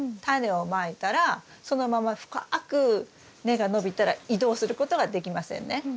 タネをまいたらそのまま深く根が伸びたら移動することができませんね。